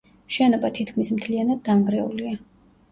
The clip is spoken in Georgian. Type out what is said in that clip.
შენობა თითქმის მთლიანად დანგრეულია.